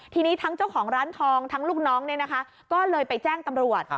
ทีนี้ทั้งเจ้าของร้านทองทั้งลูกน้องเนี่ยนะคะก็เลยไปแจ้งตำรวจ